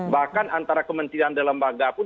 bahkan antara kementerian dan lembaga pun